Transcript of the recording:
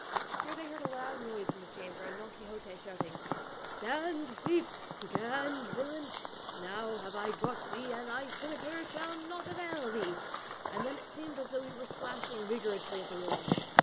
Here they heard a loud noise in the chamber, and Don Quixote shouting out, "Stand, thief, brigand, villain; now I have got thee, and thy scimitar shall not avail thee!" And then it seemed as though he were slashing vigorously at the wall.